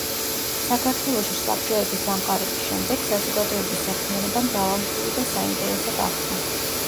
საქართველოში საბჭოების დამყარების შემდეგ საზოგადოების საქმიანობა მრავალმხრივი და საინტერესო გახდა.